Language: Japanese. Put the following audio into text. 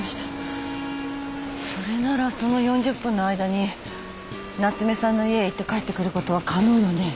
それならその４０分の間に夏目さんの家へ行って帰ってくることは可能よね？